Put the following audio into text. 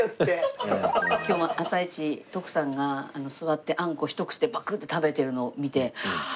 今日も朝一徳さんが座ってあんこをひと口でバクッて食べてるのを見て。